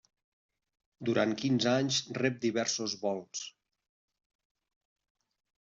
Durant quinze anys rep diversos vols.